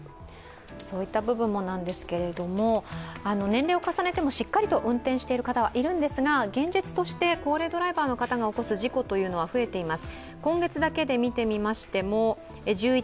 年齢を重ねてもしっかりと運転している方はいるんですが現実として高齢ドライバーの方が起こす事故は増えています。